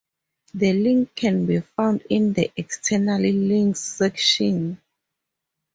The link can be found in the external links section.